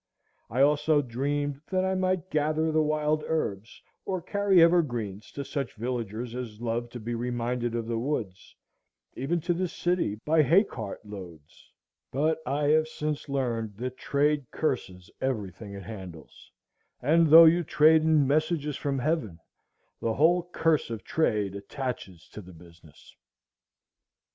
I also dreamed that I might gather the wild herbs, or carry evergreens to such villagers as loved to be reminded of the woods, even to the city, by hay cart loads. But I have since learned that trade curses everything it handles; and though you trade in messages from heaven, the whole curse of trade attaches to the business.